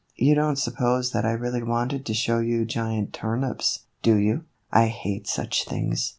You don't sup pose that I really wanted to show you giant turnips, do you ? I hate such things.